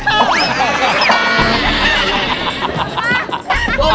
พี่จ๋า